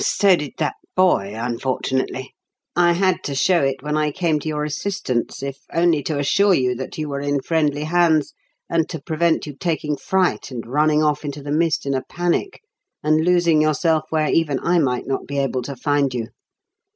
So did that boy, unfortunately. I had to show it when I came to your assistance, if only to assure you that you were in friendly hands and to prevent you taking fright and running off into the mist in a panic and losing yourself where even I might not be able to find you.